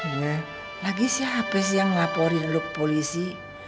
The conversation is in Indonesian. iya lagi siapa sih yang laporin dulu ke polisi